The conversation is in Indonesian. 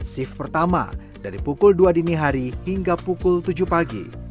shift pertama dari pukul dua dini hari hingga pukul tujuh pagi